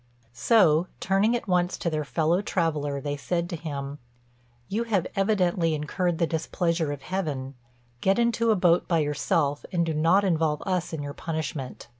So, turning at once to their fellow traveller, they said to him, "You have evidently incurred the displeasure of Heaven; get into a boat by yourself, and do not involve us in your punishment."